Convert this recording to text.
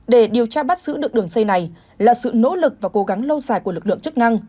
để điều tra bắt giữ được đường dây này là sự nỗ lực và cố gắng lâu dài của lực lượng chức năng